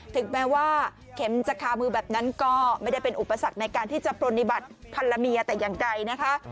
ถึงแม้ว่าเข็มจะคามือแบบนั้นก็ไม่ได้เป็นอุปสรรคในการที่จะปรณิบัติพันละเมียแต่อย่างใดนะคะ